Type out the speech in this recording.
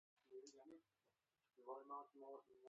د ریګ دښتې د افغانستان د طبیعي زیرمو برخه ده.